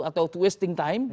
atau wasting time